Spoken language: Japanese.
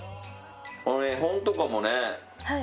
絵本とかもね。